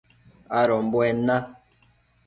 adombuen na